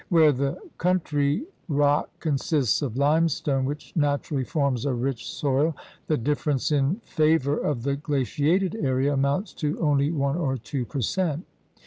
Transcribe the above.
Where the country rock consists of limestone, which naturally forms a rich soil, the difference in favor of the glaciated area amounts to only 1 or 2 per cent.